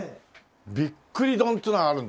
びっくり丼っつうのがあるんですか？